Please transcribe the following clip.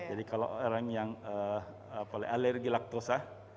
kalau orang yang alergi laktosa